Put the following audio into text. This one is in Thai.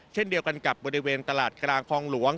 เช่นเดียวกันกับบริเวณตลาดกลางคลองหลวง